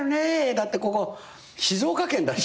だってここ静岡県だし」